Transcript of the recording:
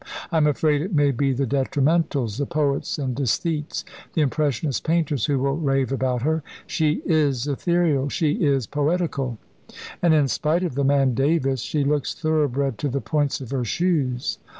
I'm afraid it may be the detrimentals, the poets, and æsthetes, and impressionist painters, who will rave about her. She is ethereal she is poetical and in spite of the man Davis she looks thoroughbred to the points of her shoes.